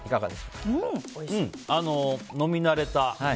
うん、飲み慣れた。